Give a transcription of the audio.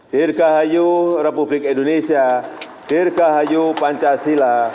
dirgahayu republik indonesia dirgahayu pancasila